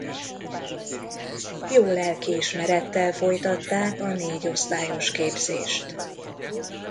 Jó lelkiismerettel folytatták a négyosztályos képzést.